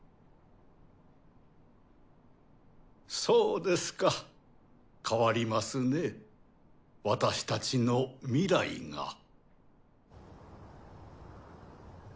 そうですか変わりますね私たちの未来が。